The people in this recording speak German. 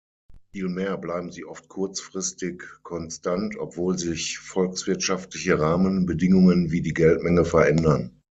Vielmehr bleiben sie oft kurzfristig konstant, obwohl sich volkswirtschaftliche Rahmenbedingungen wie die Geldmenge verändern.